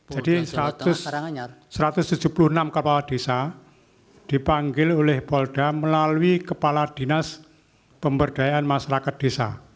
jadi satu ratus tujuh puluh enam kepadesa dipanggil oleh polda melalui kepala dinas pemberdayaan masyarakat desa